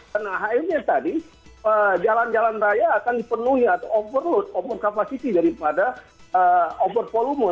karena akhirnya tadi jalan jalan raya akan dipenuhi atau overload kapasiti daripada overpollution